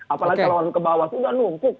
apalagi kalau orang ke bawah itu udah numpuk